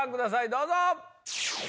どうぞ。